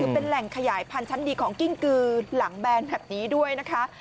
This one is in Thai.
เป็นแหล่งขยายพันธุ์ชั้นดีของกิ้งกือหลังแบนแบบนี้ด้วยนะคะ